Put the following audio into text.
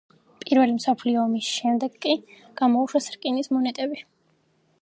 პირველი მსოფლიო ომის შემდეგ კი გამოუშვეს რკინის მონეტები.